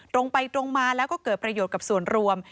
ตรงไปตรงมาแล้วก็เกิดประโยชน์กับส่วนรวม